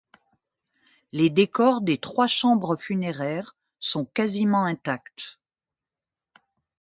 Les décors des trois chambres funéraires sont quasiment intacts.